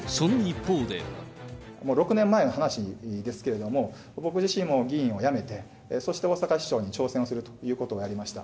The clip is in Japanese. ６年前の話ですけれども、僕自身も議員を辞めて、そして大阪市長に挑戦するということをやりました。